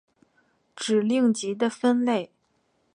指令集的分类